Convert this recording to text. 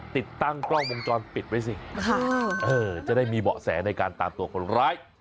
ติดตั้งกล้องวงจรปิดไว้สิจะได้มีเบาะแสในการตามตัวคนร้าย